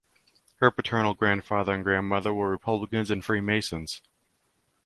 Her paternal grandfather and grandmother were Republicans and Freemasons.